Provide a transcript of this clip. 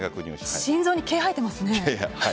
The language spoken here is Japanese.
心臓に毛、生えてますね。